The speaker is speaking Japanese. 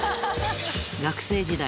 学生時代